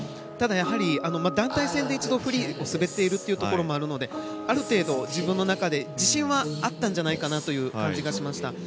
ただやはり団体戦で一度フリーを滑っているところもあるのである程度、自分の中で自信はあったんじゃないかなという感じがしました。